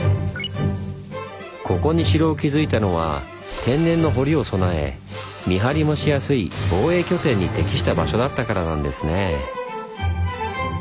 ここに城を築いたのは天然の堀を備え見張りもしやすい防衛拠点に適した場所だったからなんですねぇ。